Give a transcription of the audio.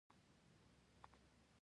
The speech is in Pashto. د نورو له حاله عبرت پکار دی